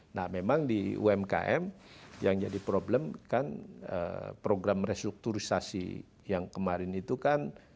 nah memang di umkm yang jadi problem kan program restrukturisasi yang kemarin itu kan